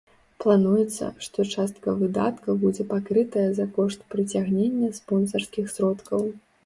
Плануецца, што частка выдаткаў будзе пакрытая за кошт прыцягнення спонсарскіх сродкаў.